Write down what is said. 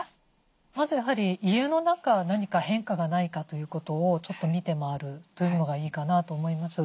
まずやはり家の中何か変化がないかということをちょっと見て回るというのがいいかなと思います。